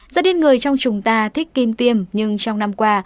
do điên người trong chúng ta thích kim tiêm nhưng trong năm qua